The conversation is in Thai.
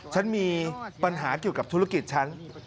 ฉันมีปัญหาเกี่ยวกับธุรกิจฉัน